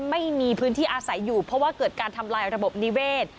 ไม่มีพื้นที่อาศัยอยู่เพราะว่าเกิดการทำลายระบบนิเวศ